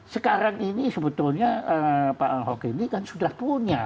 sekarang ini sebetulnya pak ahok ini kan sudah punya